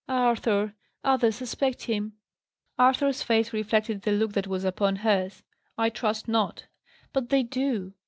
Arthur! others suspect him." Arthur's face reflected the look that was upon hers. "I trust not!" "But they do.